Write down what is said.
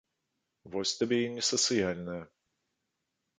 Вось табе і не сацыяльная.